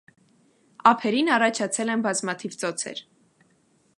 Ափերին առաջացել են բազմաթիվ ծոցեր։